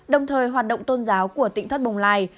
đồng thời hoạt động tôn giáo của tỉnh thất bồng lai